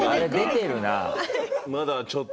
まだちょっとね